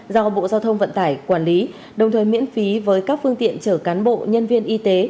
do bộ giao thông vận tải quản lý đồng thời miễn phí với các phương tiện chở cán bộ nhân viên y tế